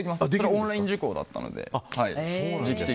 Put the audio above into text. オンライン受講だったので。